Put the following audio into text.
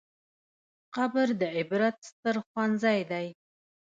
قبر د عبرت ستر ښوونځی دی.